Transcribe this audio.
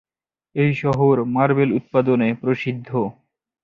এই শহর মার্বেল উৎপাদনে প্রসিদ্ধ।